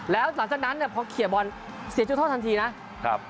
แล้วหลังจากนั้นพอเขียบบอลเสียจุดโทษทันทีนะ